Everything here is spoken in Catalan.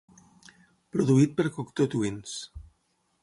Produït per Cocteau Twins.